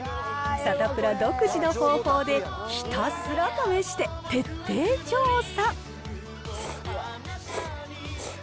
サタプラ独自の方法でひたすら試して徹底調査。